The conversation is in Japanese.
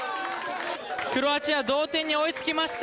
クロアチア同点に追いつきました。